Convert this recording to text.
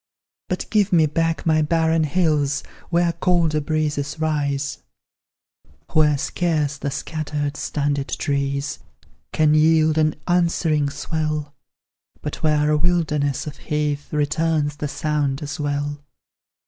But give me back my barren hills Where colder breezes rise; Where scarce the scattered, stunted trees Can yield an answering swell, But where a wilderness of heath Returns the sound as well.